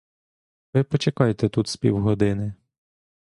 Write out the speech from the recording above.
Ви почекайте тут з півгодини.